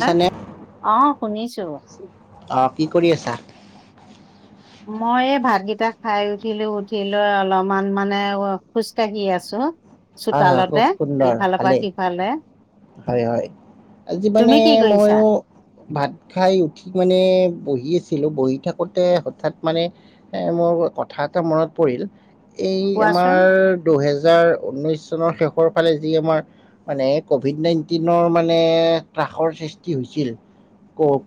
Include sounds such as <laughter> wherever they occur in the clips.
হা নে? অ শুনিছো অ' কি কৰি আছা? মই এই ভাতগিটা খাই উঠিলো। উঠিলৈ অলপমান মানে খোজকাঢ়ি আছো। হয় হয় খুব চোতালতে সুন্দৰ ইফালৰ পৰা ভালেই সিফালে। হয়, হয়। আজি তুমি মানে কি কৰিছা মইও ভাত খাই উঠি মানে বহি আছিলো বহি থাকোতে হঠাৎ মানে এ' মোৰ কথা এটা মনত পৰিল এই আমাৰ কোৱাচোন দুহেজাৰ উননিছ চনৰ শেষৰ ফালে যি আমাৰ মানে ক'ভিড নাইণ্টিনৰ মানে ত্ৰাসৰ সৃষ্টি হৈছিল।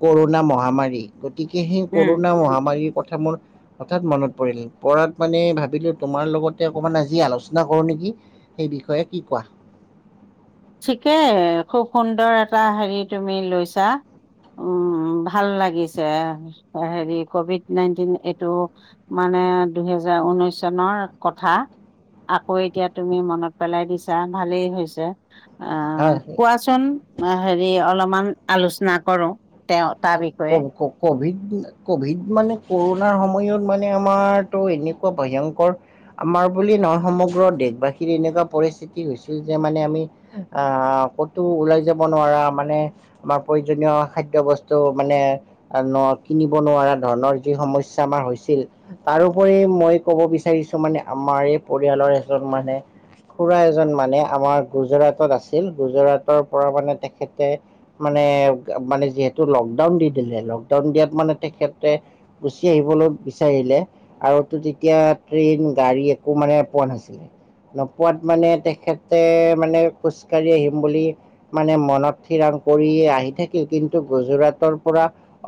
কৰুণা মহামাৰী। গতিকে সেই উম কৰুনা মহামাৰীৰ কথা মোৰ হঠাৎ মনত পৰিল। পৰাত মানে ভাবিলো তোমাৰ লগতে অকণমান আজি আলোচনা কৰো নেকি। সেই বিষয়ে কি কোৱা? ঠিকেই খুব সুন্দৰ এটা হেৰি তুমি লৈছা। উম, ভাল লাগিছে। হেৰি কভিড নাইণ্টিন এইটো মানে দুইহেজাৰ উনিশ চনৰ কথা আকৌ এতিয়া তুমি মনত পেলাই দিছা ভালেই হৈছে। <unintelligible> হয় কোৱাচোন? হেৰি অলপমান আলোচনা কৰো তেওঁৰ কওক, কওক। কভিড কভিড মানে কৰুণাৰ সময়ত মানে আমাৰতো এনেকুৱা ভয়ংকৰ আমাৰ বুলি নহয় সমগ্ৰ দেশবাসীৰ এনেকা পৰিস্থিতি হৈছিল যে মানে আমি অ', কতো ওলাই যাব নোৱাৰা মানে আমাৰ প্ৰয়োজনীয় খাদ্য বস্তু মানে ন' কিনিব নোৱাৰা ধণৰ যি সমস্যা আমাৰ হৈছিল। তাৰওপৰি মই কব বিচাৰিছো মানে আমাৰ এই পৰিয়ালৰ এজন মানে খুৰা এজন মানে আমাৰ গুজৰাটত আছিল। গুজৰাটৰ পৰা মানে তেখেতে মানে' মানে যিহেতু লকডাউন দি দিলে লকডাউন দিয়াত মানে তেখেতে গুচি আহিবলৈ বিচাৰিলে। আৰু তো তেতিয়া ট্ৰেইন গাড়ী একো মানে পোৱা নাছিলে। নোপোৱাত মানে তেখেতে মানে খোজকাঢ়ি আহিম বুলি মানে মনত থিৰাং কৰিয়ে আহি থাকিল। কিন্তু গুজৰাট গুজৰাটৰ পৰা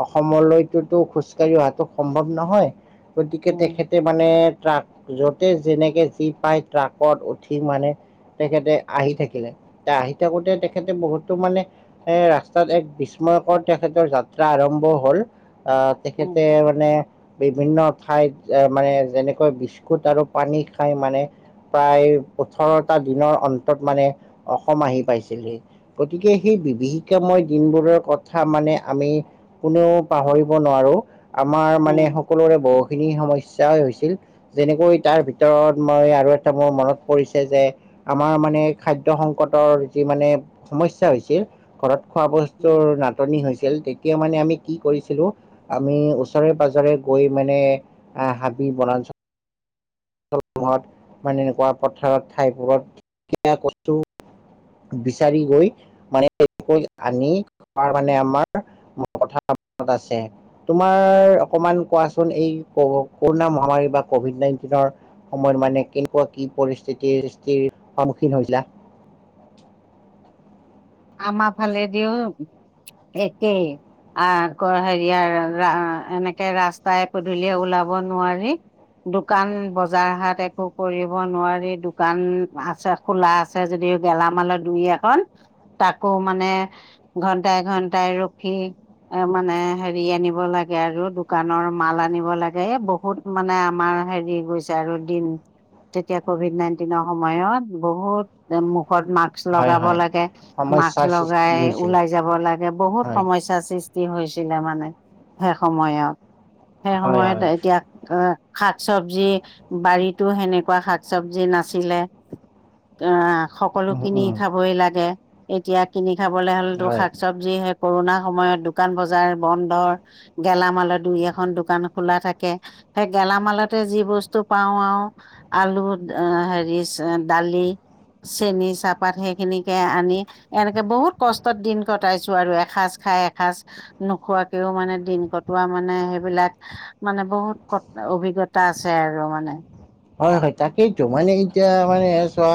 অসমলৈতো খোজকাঢ়ি অহাটো সম্ভৱ নহয়। গতিকে উম তেখেতে মানে ট্ৰাক য'তে যেনেকে যি পাই ট্ৰাকত উঠি মানে তেখেতে আহি থাকিলে। আহি থাকোতে তেখেতে বহুতো মানে এ' ৰাস্তাত এক <unintelligible> তেখেতৰ যাত্ৰা আৰম্ভ হ'ল। আহ উম তেখেতে মানে বিভিন্ন ঠাইত এ' মানে যেনেকৈ বিস্কুট আৰু পানী খাই মানে প্ৰায় ওঠৰটা দিনৰ অন্তত মানে অসম আহি পাইছিলহি। গতিকে সেই বিভীষিকা ময় দিনবোৰৰ কথা মানে আমি কোনেও পাহৰিব নোৱাৰো আমাৰ মানে উম সকলোৰে বহুখিনি সমস্যাই হৈছিল। যেনেকৈ, তাৰ ভিতৰত মই আৰু এটা মোৰ মনত পৰিছে যে, আমাৰ মানে খাদ্য সংকটৰ যি মানে সমস্যা হৈছিল ঘৰত খোৱা উম বস্তুৰ নাটনি হৈছে! ছিল। তেতিয়া মানে, আমি কি কৰিছিলোঁ? আমি ওচৰে-পাজৰে গৈ মানে আঁ হাবি, বনাঞ্চল <unintelligible> এনেকুৱা পথাৰত ঠাইবোৰত <unintelligible> বিচাৰি গৈ মানে, <unintelligible> আনি তাৰমানে, আমাৰ পথাৰত আছে। তোমাৰ, অকণমান কোৱাচোন? এই, কৰোনা মহামাৰী বা কভিড নাইণ্টিনৰ সময়ত মানে, কেনেকুৱা, কি? পৰিস্থিতিৰ সন্মুখীন হৈছিলা? আমাৰ ফালেদিওঁ একেই। আঁ হেৰিয়াৰ, এনেকে ৰাস্তাই পধূলিয়ে ওলাব নোৱাৰি। দোকান, বজাৰ হাত একো কৰিব নোৱাৰি। দোকান আছে। খোলা আছে যদি, গেলামালৰ দুই, এখন। তাকো, মানে ঘন্টাই, ঘন্টাই ৰখি এ' মানে, হেৰি আনিব লাগে আৰু দোকানৰ মাল আনিব লাগে। এ' বহু বহুত মানে, আমাৰ হেৰি গৈছে আৰু দিন। তেতিয়া, ক'ভিড নাইন্টিনৰ সময়ত, বহুত মুখত মাস্ক মাস্ক হয় লগাব হয় লাগে, মাস্ক সমস্যাৰ সৃষ্টি লগাই হৈছিল ওলাই যাব লাগে। বহুত হয় সমস্যা সৃ কি হৈছিলে মানে? সেই সময়ত, সেই হয় সময়ত হয় এতিয়া অ'! শাক চবজি, বাৰীতো সেনেকুৱা শাক চবজি নাছিলে।। অ'! সকলো উম কিনি উম খাবই লাগে। এতিয়া, কিনি খাবলে হ'লেতো হয়। চবজি সেই, কৰোনাৰ সময়ত, দোকান বজাৰ বন্ধৰ। গেলামালৰ দুই, এখন দোকান খোলা থাকে। সেই, গেলামালতে যি বস্তু পাওঁ আৰু। আলু, হেৰি দালি, চেনি, চাহপাত সেইখিনিকে আনি এনেকে বহুত কষ্টত দিন কটাইছোঁ আৰু! এসাঁজ খাই এসাঁজ নোখোৱাকেও মানে, দিন কটোৱা মানে, সেইবিলাক মানে, বহুত অভিজ্ঞতা আছে আৰু মানে। হয়, হয়, তাকেইতো! মানে, এতিয়া মানে, চোৱা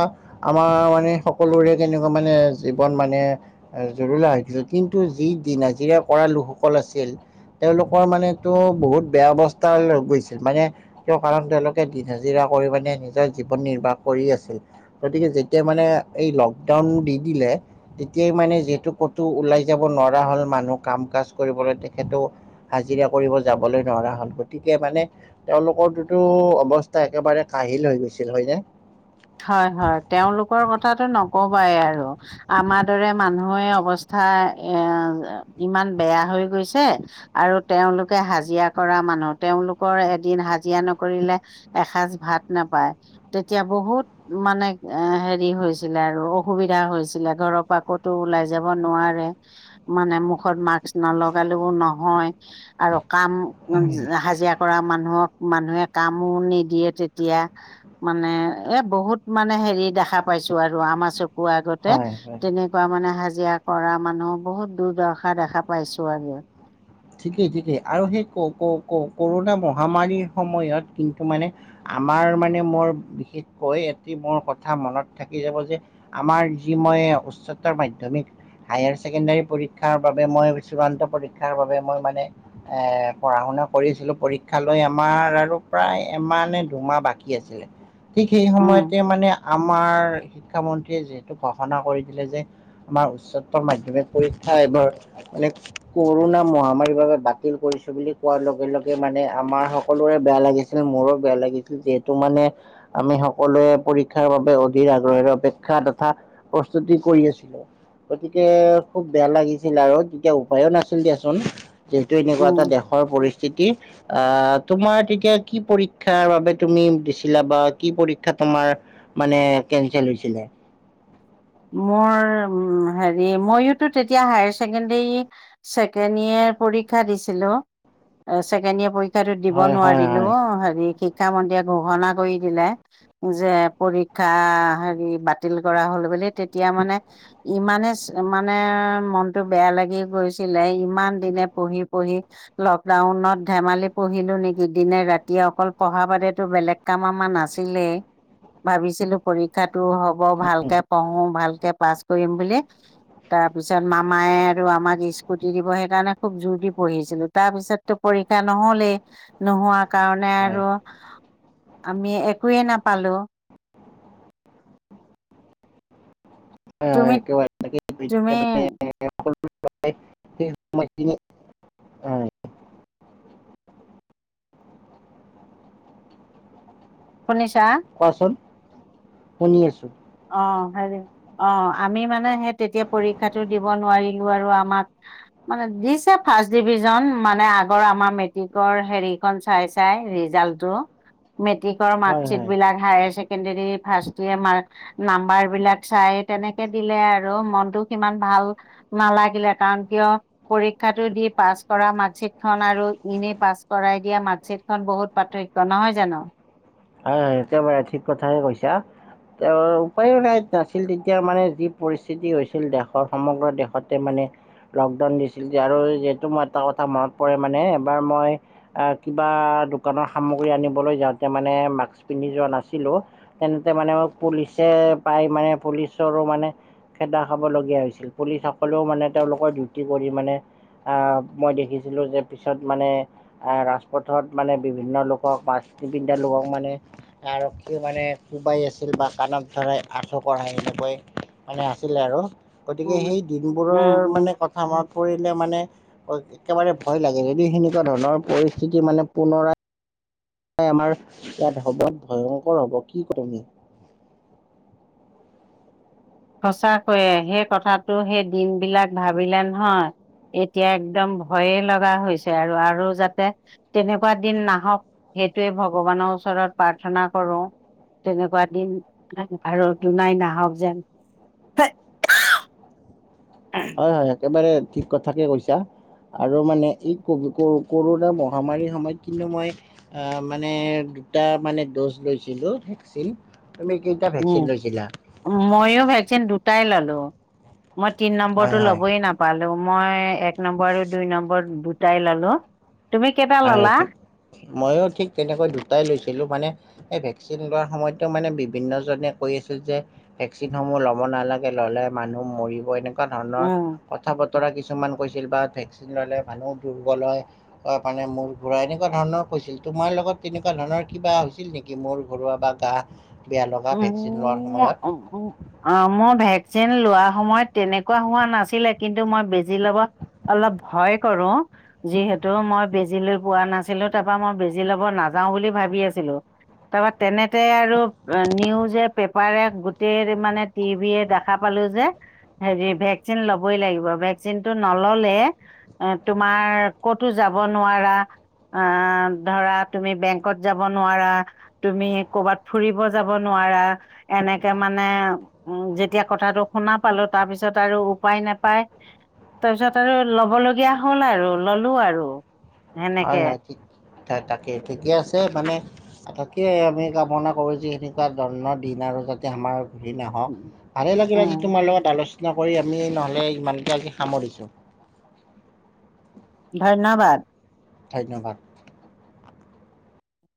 আমাৰ মানে, সকলোৰে কেনেকুৱা মানে? জীৱন মানে? জুৰুলা হৈছিল। কিন্তু, যিদিনা নাজিৰা পৰ লোকসকল আছিল। তেওঁলোকৰ মানেতো বহুত বেয়া অৱস্থা হৈ গৈছিল! মানে, কিয় কাৰণ তেওঁলোকে সি হাজিৰা কৰি মানে, নিজৰ জীৱন নিৰ্বাহ কৰি আছিল। গতিকে, যেতিয়া মানে, এই, লকডাউন দি দিলে। তেতিয়াই মানে, যিহেতু ক'তো ওলাই যাব নোৱাৰা হ'ল মানুহ। কাম- কাজ কৰিবলৈ। তেখেতো হাজিৰা কৰিব যাবলৈ নোৱাৰা হ'ল। গতিকে মানে, তেওঁলোকৰ তোটো অৱস্থা <unintelligible> একেবাৰে কাহিল হৈ গৈছিল হয়নে? হয়, হয়। তেওঁলোকৰ কথাটো ন'কবাই আৰু। আমাৰ দৰে মানুহৰ অৱস্থা এ, ইমান বেয়া হৈ গৈছে! আৰু তেওঁলোকে হাজিৰা কৰা মানুহ। তেওঁলোকৰ এদিন হাজিৰা নকৰিলে এসাঁজ ভাত নাপায়। তেতিয়া, বহুত মানে, এ, হেৰি হৈছিলে আৰু অসুবিধা হৈছিলে। ঘৰৰ পৰা ক'তো ওলাই যাব নোৱাৰে। মানে, মুখত মাস্ক নলগালেও নহয় আৰু কাম, উম, হাজিৰা কৰা মানুহক, মানুহে কামো নিদিয়ে তেতিয়া। মানে, এ বহুত মানে, হেৰি দেখা পাইছোঁ আৰু আমাৰ চকুৰ আগতে হয় হয়। তেনেক মানে, হাজিৰা কৰা মানুহ বহুত দূৰদৰ্শা দেখা পাইছোঁ আৰু। ঠিকেই, ঠিকেই আৰু সেই, ক' ক' ক' কৰোনা মহামাৰীৰ সময়ত। কিন্তু, মানে আমাৰ মানে, মোৰ বিশেষকৈ এটি মোৰ কথা মনত থাকি যাব যে আমাৰ যি মই উচ্চতৰ মাধ্যমিক হায়াৰ ছেকেণ্ডাৰী পৰীক্ষাৰ বাবে মই চূড়ান্ত পৰীক্ষাৰ বাবে মই মানে এ, পঢ়া -শুনা কৰিছিলোঁ। পৰীক্ষা লৈ আমাৰ আৰু প্ৰায় এমাহনে, দুমাহ বাকী আছে। ছিলে ঠিক সেই উম সময়তে মানে আমাৰ শিক্ষা মন্ত্ৰীয়ে যিহেতু ঘষণা কৰি দিলে যে আমাৰ উচ্চতৰ মাধ্যমিক পৰীক্ষা এইবাৰ মানে কৰোণা মহা- আমাৰ বাবে বাকিল কৰিছো বুলি কোৱাৰ লগে লগে মানে আমাৰ সকলোৰে বেয়া লাগিছিল মোৰো বেয়া লাগি- যিহেতু মানে আমি সকলোৱে পৰীক্ষাৰ বাবে অধি আগ্ৰহৰে অপেক্ষা তথা প্ৰস্তুতি কৰি আছিলোঁ। গতিকে খুব বেয়া লাগিছিল আৰু তেতিয়া উপায়ো নাছিল দিয়াচোন। যিহেতু এনেকুৱা এটা উম দেশৰ পৰিস্থিতি আহ তোমাৰ তেতিয়া কি পৰীক্ষাৰ বাবে তুমি দিছিলা বা কি পৰীক্ষা তোমাৰ মানে কেনচেল হৈছিলে? মোৰ উ হেৰি মইতো তেতিয়া হায়াৰ ছেকেণ্ডৰী ছেকেণ্ড ইয়েৰ পৰীক্ষা দিছিলো ছেকেণ্ড ইয়েৰ পৰী- ক্ষাটো দিব হয় হয় নোৱাৰিলো হয় অ হেৰি শিক্ষামন্ত্ৰীয়ে ঘোষণা কৰি দিলে। যে পৰীক্ষা হেৰি বাতিল কৰা হ'ল বুলি তেতিয়া মানে ইমানে মানে মনটো বেয়া লাগি গৈছিলে ইমান দিনে পঢ়ি পঢ়ি লকডাউনত ধেমালি পঢ়িলো নেকি দিনে ৰাতিয়ে অকল পঢ়া বাদতো বেলেগ কাম ইমান নাছিলে ভাবিছিলো পৰীক্ষাটো হওঁক পঢ়োঁ ভালকে পাছ কৰিম বুলি তাৰ পিছত মামায়ে আৰু আমাক স্কুটি দিব সেইকাৰণে খুব জোৰ দি পঢ়িছিলো তাৰ পিছত টো পৰীক্ষা নহলেই নোহোৱা কাৰণে হয় আৰু আমি একোয়ে নাপালোঁ। তুমি হয় তুমি হয় <unintelligible> সময়খিনি হয় শুনিছা? কোৱাচোন? শুনি আছোঁ। অ হেৰি অ আমি মানে সেই তেতিয়া পৰীক্ষাটো দিব নোৱাৰিলো আৰু আমাক মানে দিছে ফাৰ্ষ্ট ডিভিজন মানে আগৰ আমাৰ মেট্ৰিকৰ হেৰি চাই চাই ৰিজাল্টো মেট্ৰিক হয় মাৰ্কশ্বিট হয় হয় বিলাক higher secondary first year mark number বিলাক চাই তেনেকে দিলে আৰু মনটো সিমান ভাল নালাগিলে কাৰণ কিয় পৰীক্ষাটো দি পাছ কৰা মাৰ্কশ্বিট খন আৰু ইনে পাছ কৰাই দিয়া মাৰ্কশ্বিট খন বহুত পাৰ্থক- ত নহয় জানো হয় একবাৰে ঠিক কথাই কৈছা। তেওঁ উপায়ো নাই নাছিল তেতিয়া মানে যি পৰিস্থিতি হৈছিল দেশৰ সমগ্ৰ দেশতে মানে লকডাউন দিছিল আৰু যিহেতু মোৰ এটা কথা মনত পৰে মানে এবাৰ মই আহ কিবা দোকানৰ সামগ্ৰী আনিবলৈ যাওঁতে মানে মাক্স পিন্ধি যোৱা নাছিলোঁ। তেনেকে মানে পুলিচে পাই মানে পুলিচৰো মানে খেদা খাবলগীয়া হৈছিল পুলিচসকলেও মানে তেওঁলোকৰ ডিউটি কৰি মানে আহ মই দেখিছিলো যে পিছত মানে আহ ৰাজপথত মানে বিভিন্ন লোকক বা নিপিন্ধা লোকক মানে আৰক্ষীয়ে মানে কোবাই আছিল বা কাণত ধৰাই আঁঠু কঢ়াই এনেকৈ মানে আছিলে আৰু গতিকে উম, সেই দিনবোৰৰ উম, উম। মানে কথা মন পৰিলে মানে একেবাৰে ভয় লাগে যদি সেনেকুৱা ধৰণৰ পৰিস্থিতি মানে পুনৰাই আমাৰ ইয়াত হব ভয়ংকৰ হ'ব কি ক তুমি সঁচা কৈয়ে সেই কথাটো সেই দিন বিলাক ভাবিলে নহয়, এতিয়া একদম ভয়ে লগা হৈছে আৰু, আৰু যাতে তেনেকুৱা দিন নাহক সেইটোৱে ভগৱানৰ ওচৰত প্ৰাৰ্থনা কৰো। তেনেকুৱা দিন আৰু দুনাই নাহক যেন <unintelligible> হয়-হয় একেবাৰে ঠিক কথাকে কৈছা। আৰু মানে এই কভিড কৰোনা মহামাৰীৰ সময়ত কিন্তু মই অ' মানে দুটা মানে দজ লৈছিলোঁ তুমি কেইটা ভেকচিন লৈছিলাঁ? ময়ো ভেকচিন দুটাই ললোঁ মই তিনি নম্বৰটো হয় হয় ল'বই নাপা নাপালোঁ মই এক নম্বৰ আৰু দুই নম্বৰত দুটাই ললোঁ। হয় ঠিক ময়ো ঠিক তেনেকৈ দুটাই লৈছিলোঁ মানে এই ভেকচিন লোৱাৰ সময়তো মানে বিভিন্ন জনে কৈ আছিল যে ভেকচিনসমূহ ল'ব নালাগে ল'লে মানুহ মৰিব এনেকে এনেকুৱা ধৰণৰ উম কথা বতৰা কিছুমান কৈছিল বা ভেকচিন ল'লে মানুহ দুৰ্বল হয়, মানে মূৰ ঘুৰাই, এনেকুৱা ধৰণৰ কৈছিল তোমাৰ লগত তেনেকুৱা ধৰণৰ কিবা হৈছিল নেকি, মোৰ ঘুৰোৱা বা গা বেয়া লগা ভেকচিন লোৱাৰ মোৰ সময়ত, অ' মোৰ ভেকচিন লোৱা সময়ত তেনেকুৱা হোৱা নাছিলে, কিন্তু মই বেজি ল'ব অলপ ভয় কৰোঁ। যিহেতু মই বেজি লৈ পোৱা নাছিলোঁ। তাৰপা মই বেজি ল'ব নাযাওঁ বুলি ভাবি আছিলোঁ। তাৰপা তেনেতে আৰু নিউজে পেপাৰে গোটেই মানে টিভিয়ে দেখা পালোঁ যে, হেৰি ভেকচিন ল'বই লাগিব, ভেকচিনটো নল'লে এ‌ তোমাৰ ক'তো যাব নোৱাৰা, অ' ধৰা তুমি বেংকত যাব নোৱাৰা, তুমি কৰবাত ফুৰিব যাব নোৱাৰা, এনেকে মানে উম যেতিয়া কথাটো শুনা পালোঁ, তাৰ পিছত আৰু উপায় নাপায় তাৰপিছত আৰু ল'ব লগীয়া হ'ল আৰু ললোঁ আৰু সেনেকে হয়-হয় ঠিক তাকে, ঠিকে আছে মানে তাকে আমি কামনা কৰোঁ যে সেনেকুৱা <unintelligible> দিন আৰু যাতে আমাৰ ঘূৰি নাহক। ভালেই লাগিলে উম আজি তোমাৰ লগত আলোচনা কৰি আমি নহ'লে ইমানতে আজি সামৰিছোঁ। ধন্যবাদ। ধন্যবাদ।